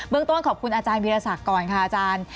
เบื้องต้นขอบคุณอาจารย์พิทธศักดิ์ก่อนค่ะอาจารย์